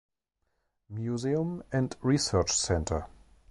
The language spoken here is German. Museum and Research Center".